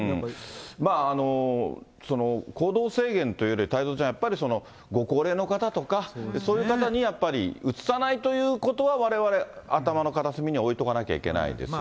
まあ、行動制限というより、太蔵ちゃん、やっぱりご高齢の方とか、そういう方にやっぱりうつさないということは、われわれ、頭の片隅には置いとかなきゃいけないですよね。